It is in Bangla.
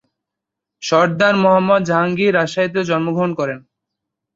সরদার মোহাম্মদ জাহাঙ্গীর রাজশাহীতে জন্মগ্রহণ করেন।